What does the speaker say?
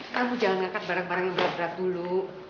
kamu jangan ngangkat barang barang yang berat berat dulu